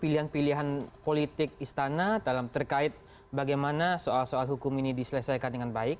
pilihan pilihan politik istana dalam terkait bagaimana soal soal hukum ini diselesaikan dengan baik